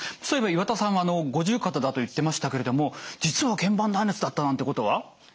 そういえば岩田さんは五十肩だと言ってましたけれども実は腱板断裂だったなんてことは？